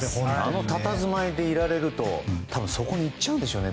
あのたたずまいでいられるとそこに行っちゃうんでしょうね